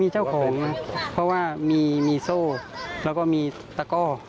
เจ้าของเพราะว่ามีโซ่แล้วก็มีตะก้อ